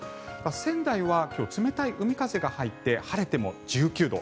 仙台は今日、冷たい海風が入って晴れても１９度。